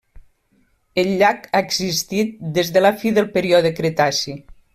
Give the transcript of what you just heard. El llac ha existit des de la fi del període Cretaci.